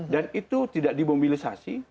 dan itu tidak dimobilisasi